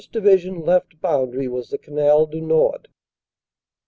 Division left boundary was the Canal du Nord.